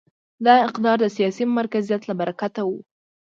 دا اقتدار د سیاسي مرکزیت له برکته و.